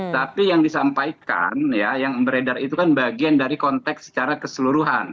tapi yang disampaikan ya yang beredar itu kan bagian dari konteks secara keseluruhan